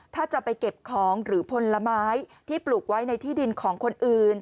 ถ้าจะไปเก็บของหรือผลไม้ที่ปลูกไว้ในที่ดินของคนอื่น